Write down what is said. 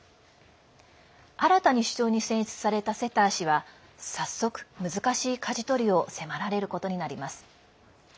新たに首相に選出されたセター氏は早速難しいかじ取りを迫られることになります。